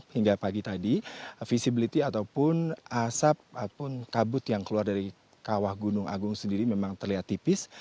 hingga pagi tadi visibility ataupun asap ataupun kabut yang keluar dari kawah gunung agung sendiri memang terlihat tipis